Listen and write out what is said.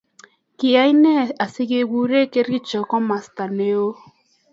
Kaine asigeguren Kericho komsta neoo